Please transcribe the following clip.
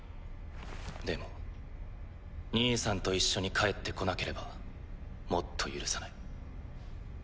でも兄さんと一緒に帰って来なければもっと許さない。